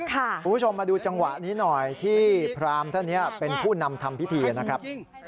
คุณผู้ชมมาดูจังหวะนี้หน่อยที่พรามท่านนี้เป็นผู้นำทำพิธีนะครับ